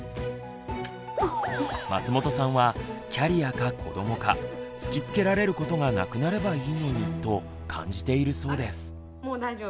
松本さんはキャリアか子どもか突きつけられることがなくなればいいのにと感じているそうです。